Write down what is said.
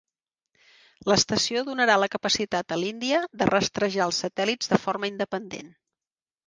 L'estació donarà la capacitat a l'Índia de rastrejar els satèl·lits de forma independent.